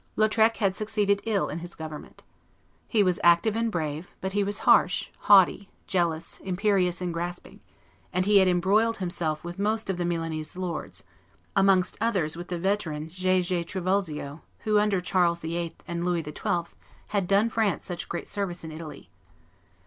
Lautrec had succeeded ill in his government. He was active and brave, but he was harsh, haughty, jealous, imperious, and grasping; and he had embroiled himself with most of the Milanese lords, amongst others with the veteran J. J. Trivulzio, who, under Charles VIII. and Louis XII., had done France such great service in Italy.